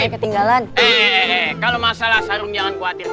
kalau masalah sarung jangan khawatir